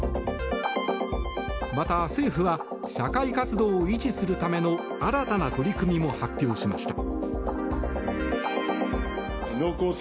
また、政府は社会活動を維持するための新たな取り組みも発表しました。